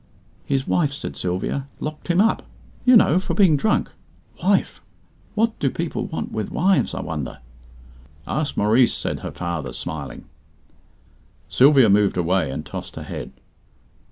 "His wife," said Sylvia, "locked him up, you know, for being drunk. Wife! What do people want with wives, I wonder?" "Ask Maurice," said her father, smiling. Sylvia moved away, and tossed her head.